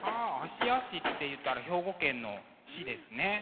芦屋市っていったら兵庫県の市ですね。